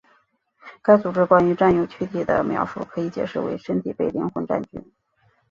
该组织关于占有躯体的描述可以解释为身体被灵魂占据。